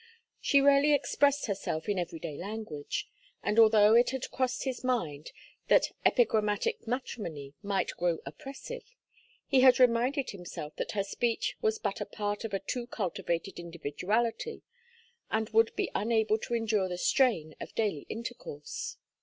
She rarely expressed herself in every day language; and although it had crossed his mind that epigrammatic matrimony might grow oppressive, he had reminded himself that her speech was but a part of a too cultivated individuality and would be unable to endure the strain of daily intercourse.